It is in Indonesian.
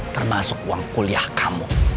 termasuk uang kuliah kamu